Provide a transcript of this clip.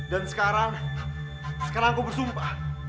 dan sekarang sekarang aku bersumpah